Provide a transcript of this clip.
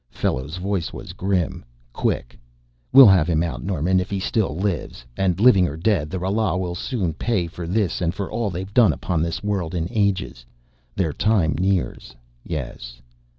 Fellows' voice was grim, quick. "We'll have him out. Norman, if he still lives. And living or dead, the Ralas will pay soon for this and for all they've done upon this world in ages. Their time nears yes."